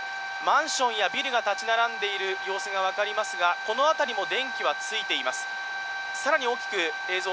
マンションやビルが立ち並んでいる様子がわかりますが、このあたりも電気はついています。